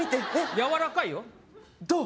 やわらかいよどう？